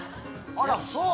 あらそう？